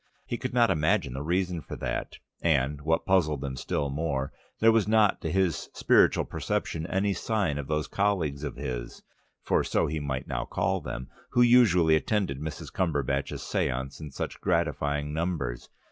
He could not imagine the reason for that, and, what puzzled him still more, there was not to his spiritual perception any sign of those colleagues of his (for so he might now call them) who usually attended Mrs. Cumberbatch's séances in such gratifying numbers.